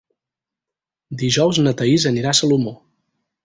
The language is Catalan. Dijous na Thaís anirà a Salomó.